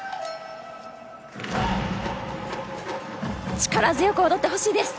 力強く踊ってほしいです。